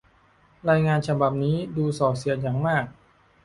รายงานฉบับนี้ดูส่อเสียดอย่างมาก